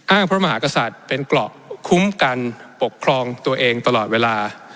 พระมหากษัตริย์เป็นเกราะคุ้มกันปกครองตัวเองตลอดเวลา